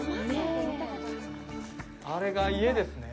あれが家ですね。